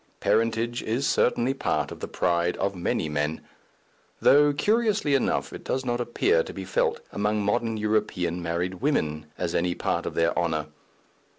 Parentage is certainly part of the pride of many men though, curiously enough, it does not appear to be felt among modern European married women as any part of their honour.